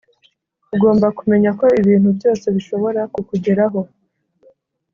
ugomba kumenya ko ibintu byose bishobora kukugeraho